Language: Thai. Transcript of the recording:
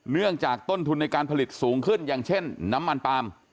เนื่องจากต้นทุนในการผลิตสูงขึ้นอย่างเช่นน้ำมันปาล์ม